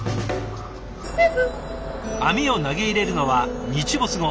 網を投げ入れるのは日没後。